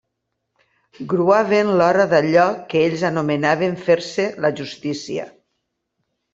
Gruaven l'hora d'allò que ells anomenaven «fer-se la justícia».